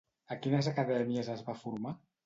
A quines acadèmies es va formar?